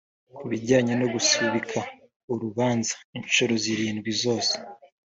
Ku bijyanye no gusubika urubanza inshuro zirindwi zose